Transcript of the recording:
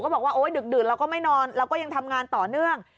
บอกว่าโอ๊ยดึกดื่นเราก็ไม่นอนเราก็ยังทำงานต่อเนื่อง